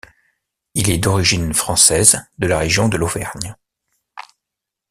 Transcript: Il est d'origine française, de la région de l'Auvergne.